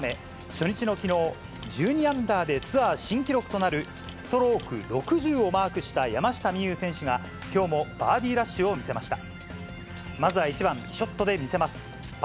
初日のきのう、１２アンダーでツアー新記録となるストローク６０をマークした山下美夢有選手がきょうもバーディーラッシュを見せました。